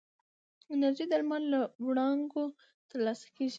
انرژي د لمر له وړانګو ترلاسه کېږي.